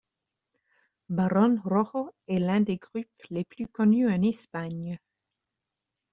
Barón Rojo est l'un des groupes les plus connus en Espagne.